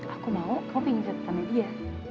aku mau kamu pengen catatannya dia